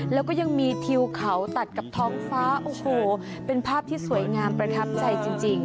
แล้วก็ยังมีทิวเขาตัดกับท้องฟ้าโอ้โหเป็นภาพที่สวยงามประทับใจจริง